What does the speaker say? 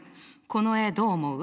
この絵どう思う？